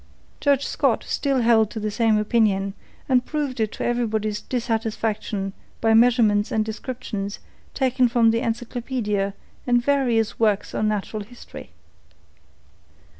Judge Scott still held to the same opinion, and proved it to everybody's dissatisfaction by measurements and descriptions taken from the encyclopaedia and various works on natural history.